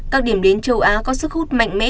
các điểm đến châu á có sức hút mạnh mẽ